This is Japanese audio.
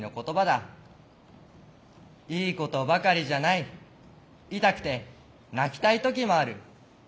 いいことばかりじゃない痛くて泣きたい時もある。